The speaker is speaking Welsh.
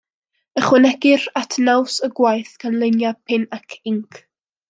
Ychwanegir at naws y gwaith gan luniau pin ac inc.